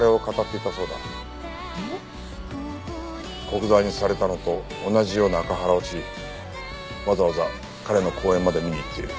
古久沢にされたのと同じようなアカハラをしわざわざ彼の講演まで見に行っている。